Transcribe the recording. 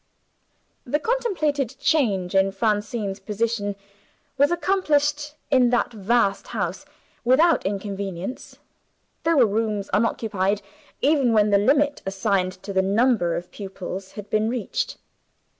The contemplated change in Francine's position was accomplished, in that vast house, without inconvenience. There were rooms unoccupied, even when the limit assigned to the number of pupils had been reached.